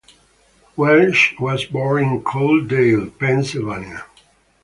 Welsh was born in Coaldale, Pennsylvania.